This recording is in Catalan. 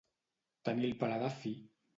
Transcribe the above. Tenir el paladar fi.